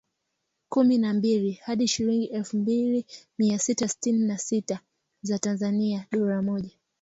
Kumi na mbili) hadi shilingi elfu mbili mia sita tisini na sita za Tanzania (Dola moja.